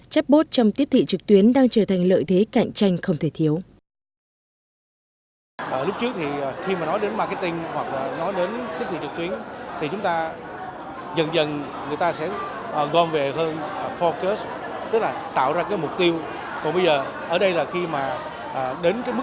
chatbot trong tiếp thị trực tuyến đang trở thành lợi thế cạnh tranh không thể thiếu